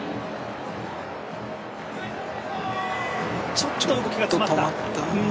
ちょっと動きが止まった。